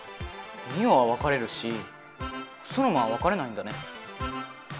ミオはわかれるしソノマはわかれないんだね。